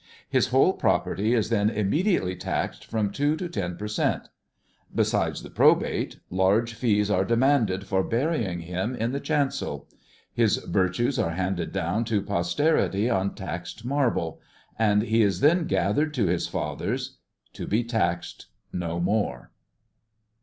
His whole property is then immediately taxed from two to ten per cent. Besides the probate, large fees are demanded for burying him in the chancel ; his virtues are handed down to poster ity on taxed marble ; and he is then gathered to his fathers, to be taxed no more."